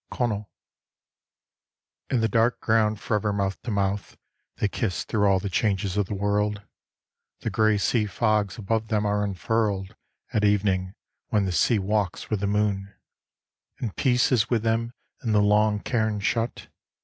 CONALL " In the dark ground forever mouth to mouth They kiss thro' all the changes of the world, The grey sea fogs above them are unfurled At evening when the sea walks with the moon, And peace is with them in the long cairn shut.